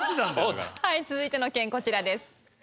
続いての県こちらです。